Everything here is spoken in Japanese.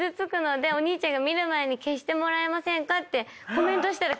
コメントしたら。